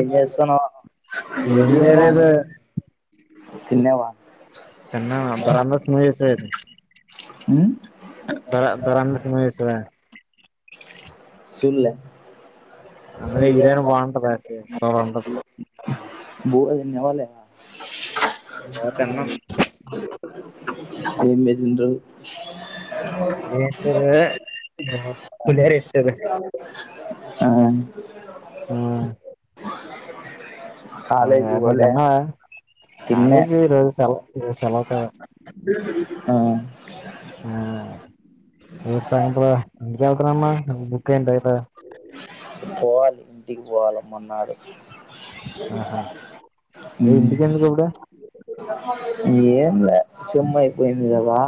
ఎన్సా ఏం [inaudible] చేయలేదు ధన్యవాద తెన్నా బరందస నుస బ బర నుస స లే అన్న ఇరన బంట పస చ రంట అవ్వలేదా తిన్నాం ఏ [unintelligible] ఏంట ఆ ఆ కాలేజీకి అ నువ్ పోలే జన్నా తిన్నే కాలేజ్ రజు సాల సలవుతద ఆ ఆ తీర్స ఎందు అమ్మ బుక్యి పోవాలి ఇంటికి పోవాలే మ్మన్నాడు ఆహా ఏ హ్మ్మ్ ఇంటికెందుకు ఇప్పుడు ఏం లే సెమ్ అపోయిందిగదా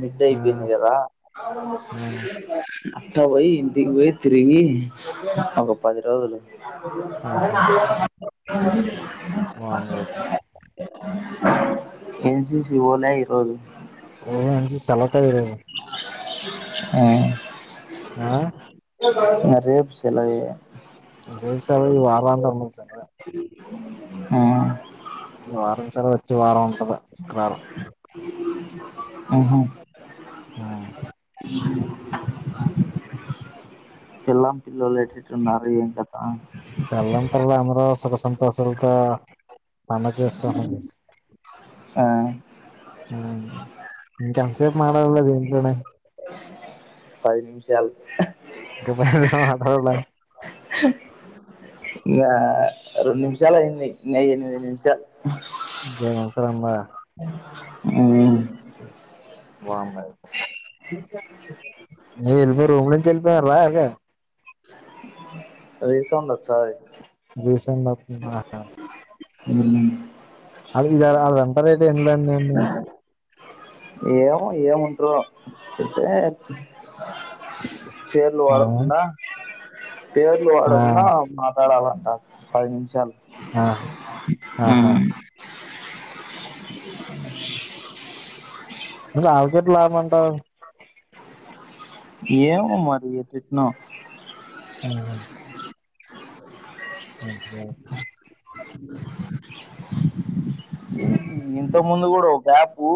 మిడ్డే ఆ అయిపోయింది కదా ఆ అట్ట పోయి ఇంటికి పోయి తిరిగి ఒక పది రోజులు ఆహా మామూలే అయితే ఆ ఎన్ సి సి కి పోలే ఈరోజు అ ఎన్ సి సి సెలవు కదా ఈరోజు ఆ ఆ మరి రేపు సెలవ్ రేపు సెలవ్ ఈ వారమంతా అందరికి సెలవే హ్మ్మ్ వరుసగా చ్చవారం ఉంటది శుక్రవారం ఆ ఎల్లాం పిల్లలు ఎటు ఎటు ఉన్నారు ఏం కతా సంతోషలుక పని చేసేతోనిని ఆ ఇంకా సేపు మాట్లాడలేదు ఇంట్లోనే పది నిమిషాలు పది నిమిషాలు మాట్లాడాలా ఇ రెండు నిమిషాలు అయింది ఉన్నది ఎనిమిది నిమిషాలు జయ మసరంభ హ్మ్మ్ బావుండది ఎల్లిపో రూమ్ లో నుంచి ఎల్లిపో గా రీసౌండ్చ్చాయి రీసెంట్ ఒత్తి హ్మ్మ్ అది ఇది అ రేటు ఎందీ ఉహు ఏమో ఏం ఉంటారో అయితే పేర్లు ఆ వాడకుండా పేర్లు ఆ వాడకుండా మాట్లాడాల పది నిమిషాలు ఆ ఆహా అవు అవికట్లా మంటా ఏమో మరి ఎట్ఇటునో హ అచియతు ఇంత ముందు కూడా బ్యాపు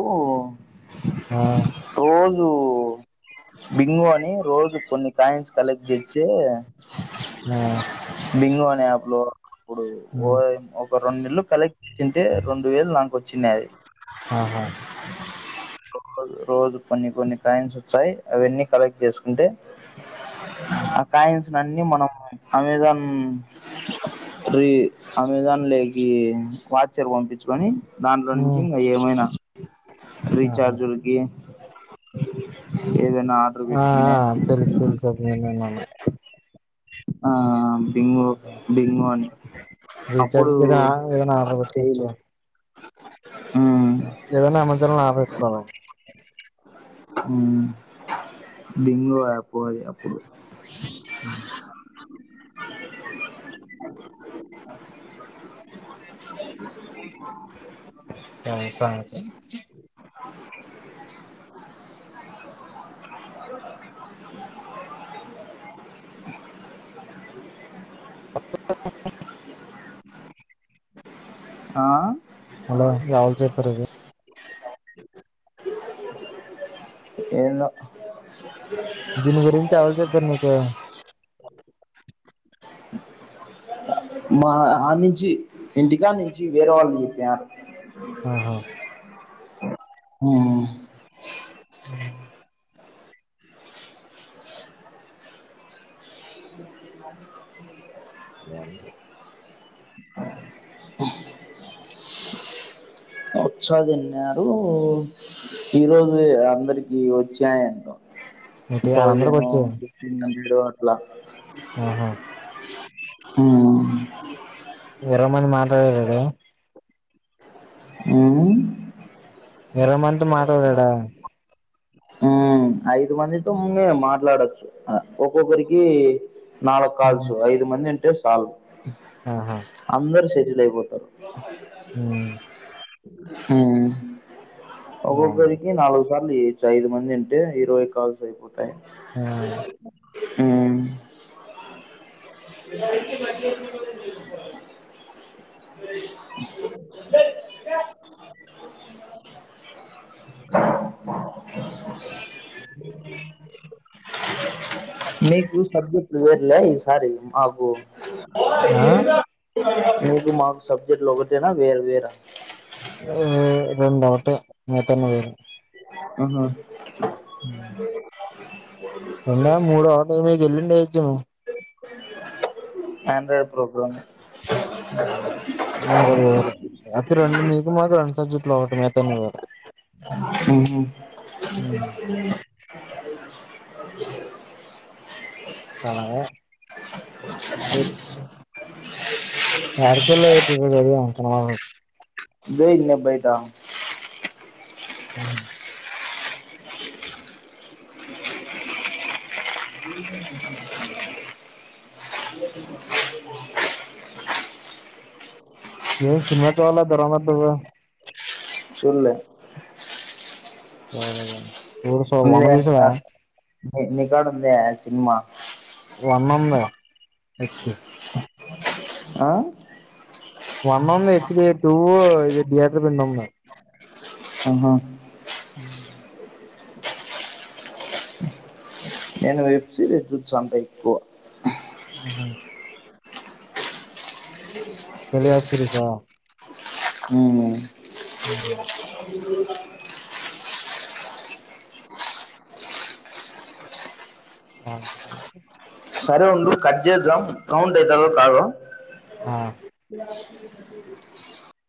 ఆ లు బింగ్ రోజు కొన్ని కాన్స్ కలెటి తేచ్చి ఆ బింగో అనే ఆప్లో ఇప్పుడు ఆ ఓయ్ అప్ రెండు నెలలు కలెక్ట్ తంటే రెండు వేలు లను వచ్చినది ఆహా ఒక్క రోజ రోజు కొన్ని కొన్ని కాయిన్స్ వచ్చాయి అవన్నీ కలెక్ట్ చేసుకుంటే ఆ కాయిన్స్ అన్ని మనం అమెజాన్ రీ అమెజాన్ లేకి వాచర్ పంపించుకొని దాంట్లో నుంచి ఇంకా ఏమైనా ఆహా రీచార్జీలుకి ఆ పెట్టుకునే తెలుసు తెల్సు అద్ నేను ఏమన్నా ఆ బింగో బింగో అని రీఛార్జ్ అప్పుడు కి ఏదైనా ఏదైనా ఆర్డర్ పెట్టుకోవచ్చు చేయలే మనకి ఏదైనా మంచిలన ఆర్డర్ పెట్టుకోవాలి ఉ బింగో అపో అప్ హ అ ఎక్సట్రాగా ఏ సంగ ఆ హలో ఎవరు చెప్పారుది ఏందో దీని గురించి ఎవరు చెప్పారు నీకు మా ఆ నుంచి ఇంటికాడ నుంచి వేరే వాళ్ళు చెప్పారు ఆహా హమ్ అ వచ్చాదిన్నారు ఈరోజు అందరికి వచ్చాయంట ఏంటి వాళ్ళందరికి థౌసను వచ్చాయి ఫిఫ్టీన్ హండ్రెడ్ అలా ఆహా హ హమ్ ఇరవై మంది మాట్లాడడి హమ్ ఇరవై మంది మాట్లాడాడా ఉ ఐదు మందితో ము మాట్లాడొచ్చు ఒక్కొక్కరికి నాలు ఉమ్, కాల్స్ ఐదు మంది హే సాల అందరి శరి లేకపోతారు హమ్ హమ్ బాగుంది ఒక్కొక్కరికి నాలుగ సార్లు ఐదు మంది అంటే ఇరవై కాల్స్ అయిపోతుంది ఆ హమ్ మీకు సబ్జెక్టులు వేరులే ఈసారి అబో ఆ మీకు మాకు సబ్జెక్ట్లు ఒకటేనా వేర్ వేరా ఏ రెండఒకటి మిగతావి వేరు ఆహ ఉమ్ [inaudible] ఎన్న మూడోళ ఏమ వెళ్ళింజము ఆండ్రాయిడ్ ప్రోగ్రామ్ మాకు అది వేరు అయితే రెండు మీకు మాకు రెండు సబ్జెక్టులు ఒకటి మిగతాన్ని వేరు హు హు [unintelligible] కాలాగా అ [unintelligible] వాకల్లోది అన డే ఇన్ ఏ బైట్ త ఉమ్ [unintelligible] ఏ సినిమా చవాల దరమ ద చూల్లే అవును స వన విస నీకాడా ఉందా సినిమా వన్ ఉంది అే ఆ వన్ ఉంది హెచ్డి టూ ఇది థియేటర్ ఇన్ ఉంది ఆహా హ నేను వెబ్సేరీస్ చూస్తా అంతా ఎక్కువ ఆహ తెలుగు వెబ్సేరీస్ ఊమ్ ఆహా అ సరే ఉండు కజ్జేదా కౌంట్ అయితదో కాదో ఆ [unintelligible]